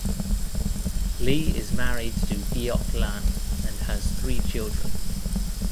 Lee is married to Geok Lan and has three children.